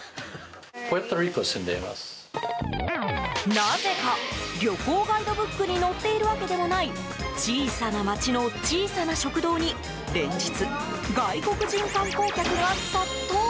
なぜか、旅行ガイドブックに載っているわけでもない小さな町の小さな食堂に連日、外国人観光客が殺到！